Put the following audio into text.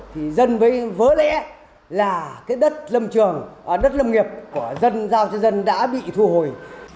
thì dân mới vỡ lẽ là cái đất lâm trường đất lâm nghiệp của dân giao cho dân đã bị thu hồi